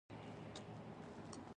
کلی کور ښار او خلک نه ښکارېدل.